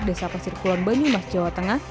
desa pasir kulon banyumas jawa tengah